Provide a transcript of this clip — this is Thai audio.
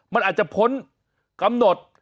มันอาจจะพ้นกำหนด